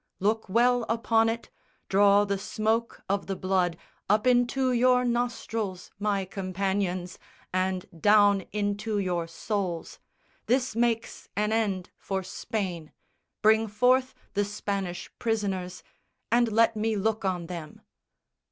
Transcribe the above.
Look well upon it, draw the smoke of the blood Up into your nostrils, my companions, And down into your souls. This makes an end For Spain! Bring forth the Spanish prisoners And let me look on them."